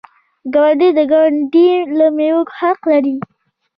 ګاونډی د ګاونډي له میوې حق لري.